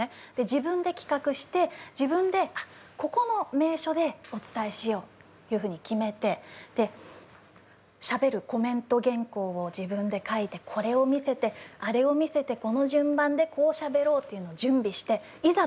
自分で企画して自分でここの名所でお伝えしようというふうに決めてでしゃべるコメント原稿を自分で書いてこれを見せてあれを見せてこの順番でこうしゃべろうっていうのを準備していざ